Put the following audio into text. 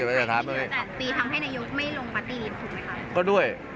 ต้องเปิดใจเรื่องไหนครับ